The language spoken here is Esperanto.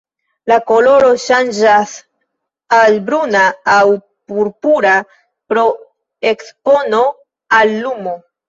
La koloro ŝanĝas al bruna aŭ purpura pro ekspono al lumo.